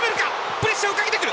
プレッシャーをかけてくる。